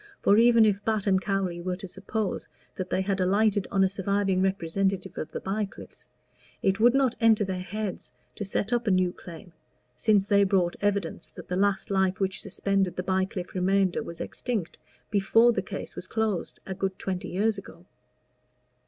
For even if Batt & Cowley were to suppose that they had alighted on a surviving representative of the Bycliffes, it would not enter their heads to set up a new claim, since they brought evidence that the last life which suspended the Bycliffe remainder was extinct before the case was closed, a good twenty years ago.